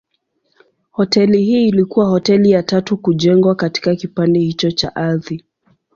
Hoteli hii ilikuwa hoteli ya tatu kujengwa katika kipande hicho cha ardhi.